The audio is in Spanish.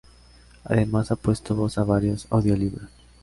Además ha puesto voz a varios audiolibros.